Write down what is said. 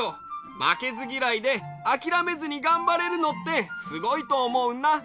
まけずぎらいであきらめずにがんばれるのってすごいとおもうな。